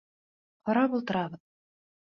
Ҡарап ултырабыҙ.